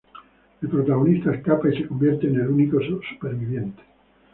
El protagonista escapa y se convierte en el único sobreviviente.